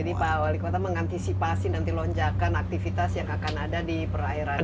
ini pak wali kota mengantisipasi nanti lonjakan aktivitas yang akan ada di perairan ini